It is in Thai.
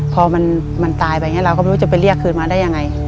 พอมันตายไปอย่างนี้เราก็ไม่รู้จะไปเรียกคืนมาได้ยังไง